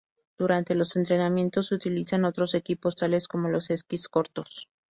Durante los entrenamientos se utilizan otros equipos tales como los esquís cortos.